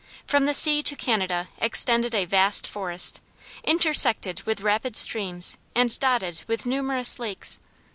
From the sea to Canada extended a vast forest, intersected with rapid streams and dotted with numerous lakes.